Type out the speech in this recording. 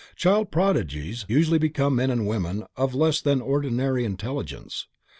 Child prodigies usually become men and women of less than ordinary intelligence.